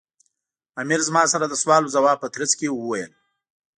امیر زما سره د سوال و ځواب په ترڅ کې وویل.